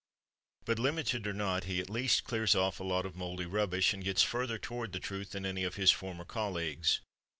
But limited or not, he at least clears off a lot of moldy rubbish, and gets further toward the truth than any of his former colleagues.